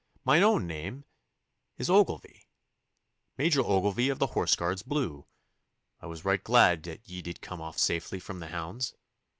Mine own name is Ogilvy Major Ogilvy of the Horse Guards Blue. I was right glad that ye did come off safely from the hounds.